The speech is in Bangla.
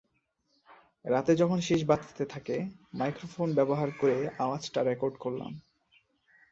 রাতে যখন শিস বাজতে থাকে, মাইক্রোফোন ব্যবহার করে আওয়াজটা রেকর্ড করলাম।